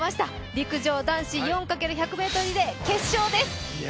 陸上男子４×１００ｍリレー決勝です。